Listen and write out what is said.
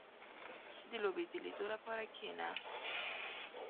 • د لوبې د لیدو لپاره کښېنه.